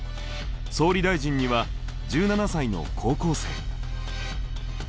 総理大臣には１７才の高校生。